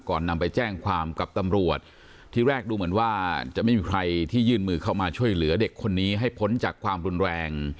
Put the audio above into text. นำไปแจ้งความกับตำรวจที่แรกดูเหมือนว่าจะไม่มีใครที่ยื่นมือเข้ามาช่วยเหลือเด็กคนนี้ให้พ้นจากความรุนแรง